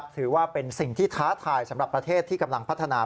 ถือว่าเป็นสิ่งที่ท้าทายสำหรับประเทศที่กำลังพัฒนา